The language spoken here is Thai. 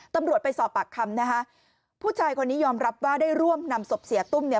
ตำรวจไปสอบปากคำนะคะผู้ชายคนนี้ยอมรับว่าได้ร่วมนำศพเสียตุ้มเนี่ย